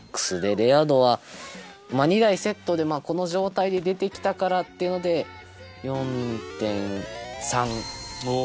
レア度は２台セットで、この状態で出てきたからっていうので４．３つけます。